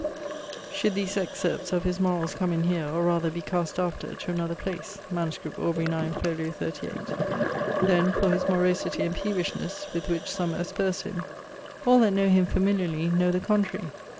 ] Should these excerpts of his moralls come in here, or rather be cast after to another place? MS. Aubr. 9, fol. 38ᵛ. 'Then for his morosity and peevishnesse, with which some asperse him, all that know him familiarly, know the contrary.